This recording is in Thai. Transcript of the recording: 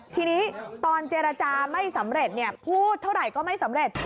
ทีนี้ตอนเจรจาไม่สำเร็จพูดเท่าไหร่ก็ไม่สำเร็จ